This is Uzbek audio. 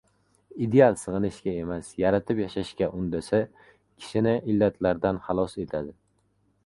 Ideal sig‘inishga emas, yaratib yashashga undasa, kishini illatlardan xalos etadi.